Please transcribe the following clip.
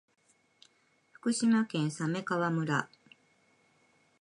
福島県鮫川村